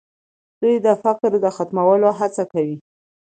دوی د فقر د ختمولو هڅه کوي.